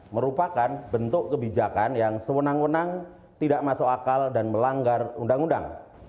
merupakan bentuk kebijakan yang sewenang wenang tidak masuk akal dan melanggar undang undang